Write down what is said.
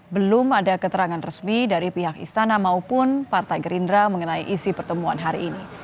belum ada keterangan resmi dari pihak istana maupun partai gerindra mengenai isi pertemuan hari ini